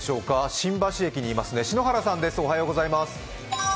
新橋駅にいる篠原さんです。